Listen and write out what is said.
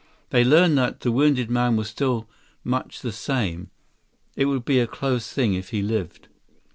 They learned that the wounded man was still much the same. It would be a close thing if he lived.